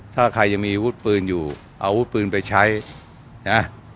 ถ้าใครยังมีอาวุธปืนอยู่อาวุธปืนไปใช้นะ